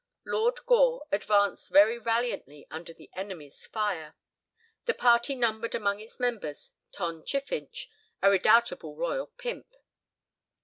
Lord Gore advanced very valiantly under the enemy's fire. The party numbered among its members Tom Chiffinch, the redoubtable royal pimp.